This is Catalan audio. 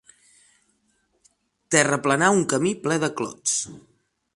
Terraplenar un camí ple de clots.